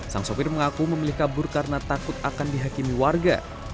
sang sopir mengaku memilih kabur karena takut akan dihakimi warga